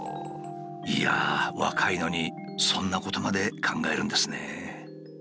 いやあ若いのにそんなことまで考えるんですね。